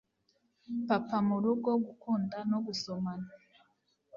papa murugo gukunda no gusomana